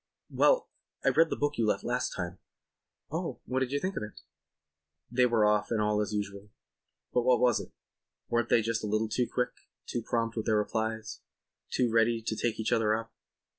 "Well, I read the book you left last time." "Oh, what do you think of it?" They were off and all was as usual. But was it? Weren't they just a little too quick, too prompt with their replies, too ready to take each other up?